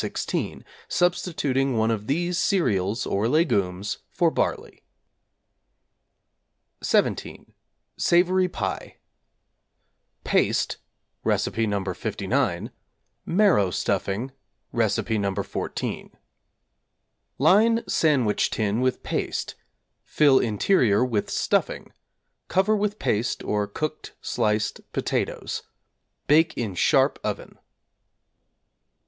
16, substituting one of these cereals or légumes for barley. =17. Savory Pie= Paste (Recipe No. 59), marrow stuffing (Recipe No. 14). Line sandwich tin with paste; fill interior with stuffing; cover with paste or cooked sliced potatoes; bake in sharp oven.